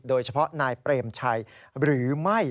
โดยเฉพาะนายเปรมชัยหรือไม่